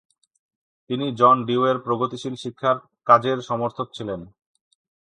তিনি জন ডিউয়ের প্রগতিশীল শিক্ষার কাজের সমর্থক ছিলেন।